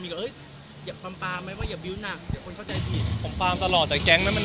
มันจะยิ่งทำให้ความรักของเรามันเปิดตัวยากขึ้นมั้ยเนี่ย